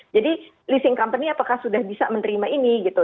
jadi leasing company apakah sudah bisa menerima ini gitu